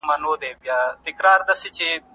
ډاکټر د لوړ ږغ سره د پاڼي ړنګول خوښوي.